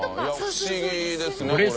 いや不思議ですねこれも。